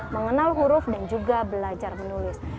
mengenal huruf dan juga belajar menulis